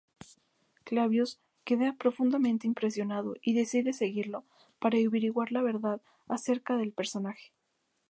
Clavius queda profundamente impresionado y decide seguirlos para averiguar la verdad acerca del personaje.